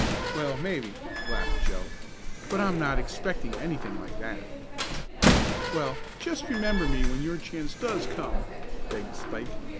"Well, maybe," laughed Joe. "But I'm not expecting anything like that." "Well, just remember me when your chance does come," begged Spike.